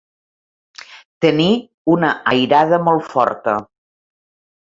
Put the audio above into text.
Tenir una airada molt forta.